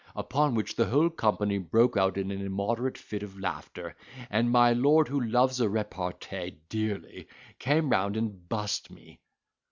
Upon which the whole company broke out into an immoderate fit of laughter; and my lord, who loves a repartee dearly, came round and bussed me."